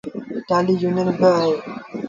ٽآلهيٚ يونيٚن با اهي